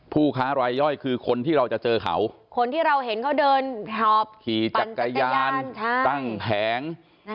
ผู้ค้ารายย่อยคือคนที่เราจะเจอเขาคนที่เราเห็นเขาเดินหอบขี่จักรยานตั้งแผง